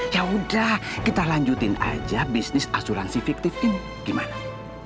ya udah kita lanjutin aja bisnis asuransi fiktif ini gimana